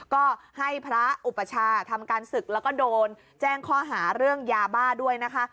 ก็ให้พระอุปชาทำการศึกแล้วก็โดนแจ้งข้อหาเรื่องยาบ้าด้วยนะคะ